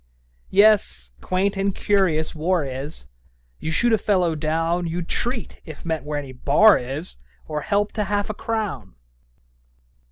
'Yes; quaint and curious war is! You shoot a fellow down You'd treat, if met where any bar is, Or help to half a crown.'